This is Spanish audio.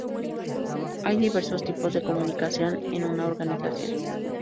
Hay diversos tipos de comunicación en una organización.